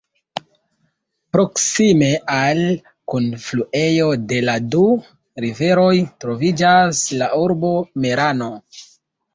Proksime al kunfluejo de la du riveroj, troviĝas la urbo Merano.